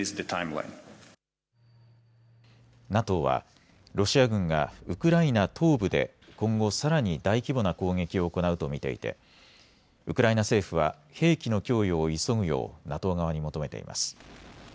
ＮＡＴＯはロシア軍がウクライナ東部で今後、さらに大規模な攻撃を行うと見ていてウクライナ政府は兵器の供与を急ぐようＮＡＴＯ側に求めています。